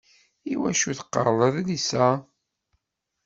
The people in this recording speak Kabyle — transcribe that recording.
Iwacu teqqareḍ adlis a?